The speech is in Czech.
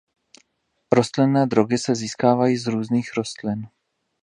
Rostlinné drogy se získávají z různých rostlin.